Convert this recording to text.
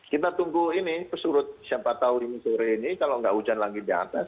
kita tunggu ini pesurut siapa tahu ini sore ini kalau nggak hujan lagi di atas